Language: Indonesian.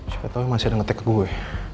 coba tau yang masih ada nge tag ke gue